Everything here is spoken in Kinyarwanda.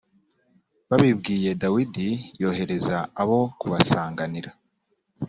babibwiye dawidi yohereza abo kubasanganira